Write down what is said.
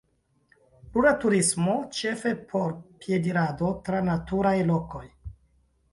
Rura turismo, ĉefe por piedirado tra naturaj lokoj.